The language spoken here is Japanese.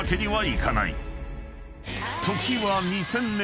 ［時は２０００年］